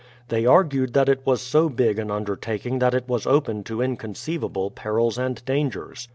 They argued that it 22 BRADFORD'S HISTORY OF was so big an undertaking that it was open to inconceivable perils and dangers.